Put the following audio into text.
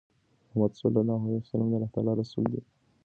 محمد ص د الله تعالی رسول دی.